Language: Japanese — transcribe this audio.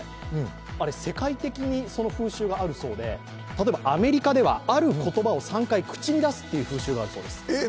あれ、世界的にその風習があるそうで例えばアメリカではある言葉を３回口に出す風習があるそうです。